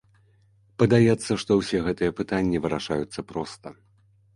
Падаецца, што ўсе гэтыя пытанні вырашаюцца проста.